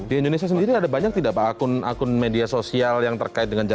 di indonesia sendiri ada banyak tidak pak akun akun media sosial yang terkait dengan jadwal